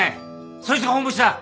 そいつが本ボシだ